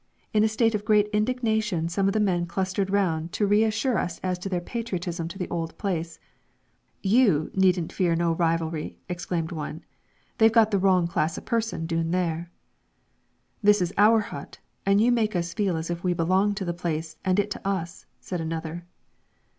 In a state of great indignation some of the men clustered round to reassure us as to their patriotism to the old place. "You needn't fear no rivalry," exclaimed one; "they've got the wrong class o' person doon there." "This is our hut, and you make us feel as if we belonged to the place and it to us," said another.